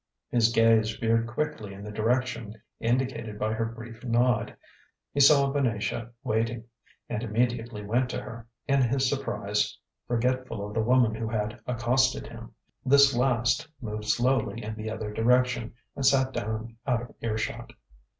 His gaze veered quickly in the direction indicated by her brief nod. He saw Venetia waiting, and immediately went to her, in his surprise forgetful of the woman who had accosted him. This last moved slowly in the other direction and sat down out of earshot.